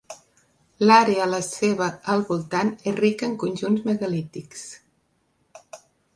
L'àrea a la seva al voltant és rica en conjunts megalítics.